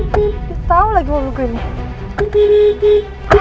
dia tau lagi mau nungguinnya